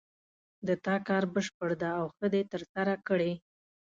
د تا کار بشپړ ده او ښه د ترسره کړې